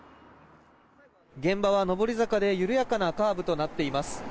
現場は上り坂で緩やかなカーブとなっています。